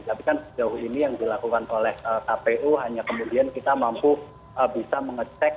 tapi kan sejauh ini yang dilakukan oleh kpu hanya kemudian kita mampu bisa mengecek